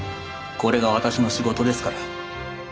これが私の仕事ですから。